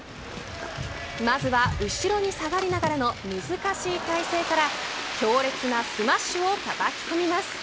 まずは後ろに下がりながらの難しい体勢から強烈なスマッシュをたたき込みます。